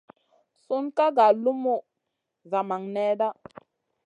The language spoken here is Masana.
Sun ka nga lumu zamang nèda.